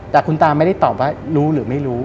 แต่คุณตาไม่ได้ตอบว่ารู้หรือไม่รู้